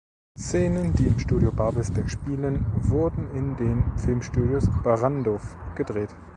Szenen die im Studio Babelsberg spielen wurden in den Filmstudios Barrandov gedreht.